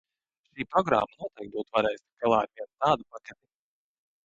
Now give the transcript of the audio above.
Šī programma noteikti būtu varējusi tikt galā ar vienu tādu paketi.